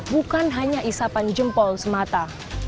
bukan hanya isapan jempol semata